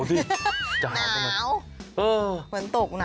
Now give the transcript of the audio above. ฝนตกหนาเปียก